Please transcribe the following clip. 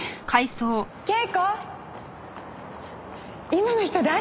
今の人誰？